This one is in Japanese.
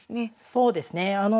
そうですね。